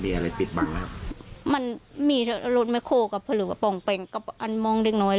มีอะไรบิดบังมันมีรถแมคโฮกับภรลุกระป๋องเป็นกับอันมองดึกน้อย